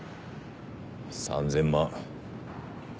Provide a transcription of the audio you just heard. ３，０００万。